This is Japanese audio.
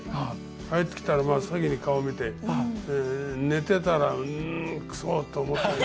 帰ってきたら真っ先に顔見て寝てたら「んくそ！」と思ったり。